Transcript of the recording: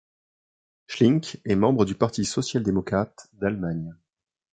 Schlink est membre du Parti social-démocrate d'Allemagne.